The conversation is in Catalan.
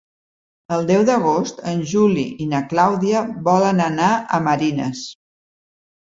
El deu d'agost en Juli i na Clàudia volen anar a Marines.